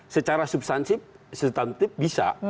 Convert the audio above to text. secara substantif bisa